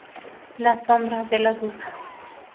La sombra de la duda.